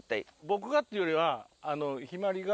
僕がっていうよりは向日葵が。